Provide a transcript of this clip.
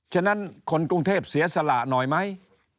ฉะนั้นคนกรุงเทพเสียสละหน่อยไหม